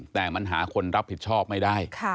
แต่มันหาคนรับผิดชอบไม่ได้